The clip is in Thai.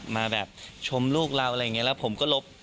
มาแบบชมลูกเราอะไรอย่างนี้แล้วผมก็ลบ